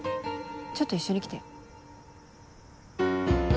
ちょっと一緒に来て。